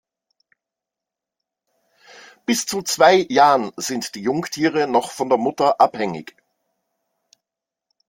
Bis zu zwei Jahren sind die Jungtiere noch von der Mutter abhängig.